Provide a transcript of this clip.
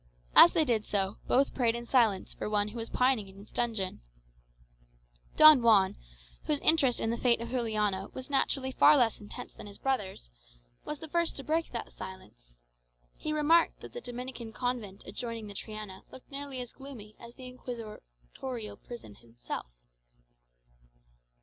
As they did so, both prayed in silence for one who was pining in its dungeons. Don Juan, whose interest in the fate of Juliano was naturally far less intense than his brother's, was the first to break that silence. He remarked that the Dominican convent adjoining the Triana looked nearly as gloomy as the inquisitorial prison itself.